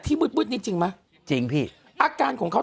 ที่มืดนี่จริงบะจริงที่๙อากาศของเขา